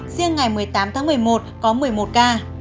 riêng ngày một mươi tám tháng một mươi một có một mươi một ca